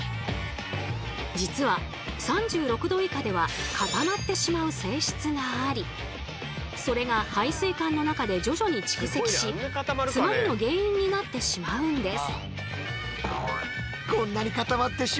実は３６℃以下では固まってしまう性質がありそれが排水管の中で徐々に蓄積し詰まりの原因になってしまうんです。